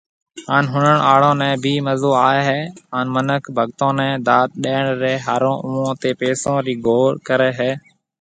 ھان ۿڻڻ آڙون ني ڀي مزو آوي ھيَََ ھان منک ڀگتون ني داد ڏيڻ ري ۿارو اوئون تي پئسون ري گھور ڪري ھيَََ